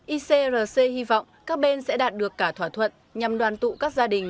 icrc hy vọng các bên sẽ đạt được cả thỏa thuận nhằm đoàn tụ các gia đình